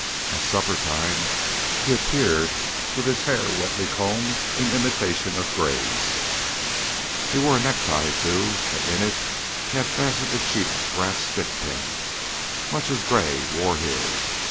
At supper time he appeared with his hair wetly combed in imitation of Gray's. He wore a necktie, too, and into it he had fastened a cheap brass stickpin, much as Gray wore his.